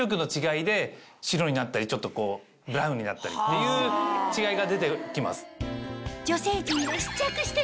白になったりブラウンになったりっていう違いが出て来ます。